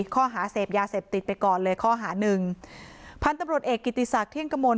ข้อหาเสพยาเสพติดไปก่อนเลยข้อหาหนึ่งพันธุ์ตำรวจเอกกิติศักดิเที่ยงกมล